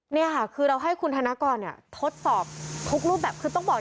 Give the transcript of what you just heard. นี่ค่ะคือเราให้คุณธนกรเนี่ยทดสอบทุกรูปแบบคือต้องบอก